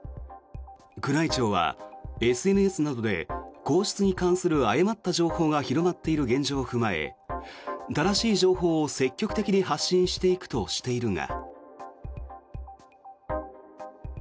宮内庁は、ＳＮＳなどで皇室に関する誤った情報が広まっている現状を踏まえ正しい情報を積極的に発信していくとしているが。